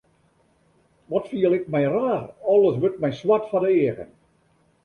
Wat fiel ik my raar, alles wurdt my swart foar de eagen.